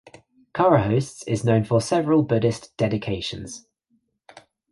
Kharahostes is known for several Buddhist dedications.